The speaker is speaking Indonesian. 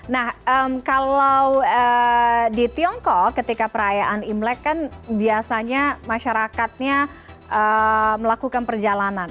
nah kalau di tiongkok ketika perayaan imlek kan biasanya masyarakatnya melakukan perjalanan